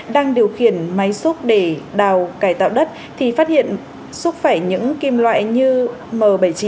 đang điều khiển máy xúc để đào cải tạo đất thì phát hiện xúc phải những kim loại như m bảy mươi chín